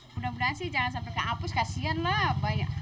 mudah mudahan sih jangan sampai dihapus kasian lah